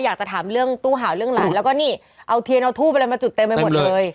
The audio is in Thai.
อยากจะถามเรื่องตู้หาวเรื่องหลานแล้วก็นี่เอาเทียนเอาทูบอะไรมาจุดเต็มไปหมดเลย